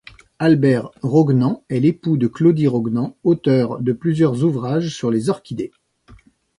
Albert Roguenant est l'époux de Claudie Roguenant, auteure de plusieurs ouvrages sur les orchidées.